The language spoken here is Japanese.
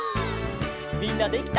みんなできた？